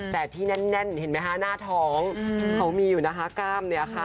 แต่ที่แน่นเห็นไหมคะหน้าท้องเขามีอยู่นะคะกล้ามเนี่ยค่ะ